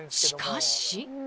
しかし。